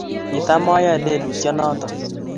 kitamayoe lelutienoto.